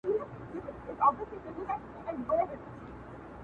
• ماتي به پنجرې کړم د صیاد وخت به ګواه وي زما..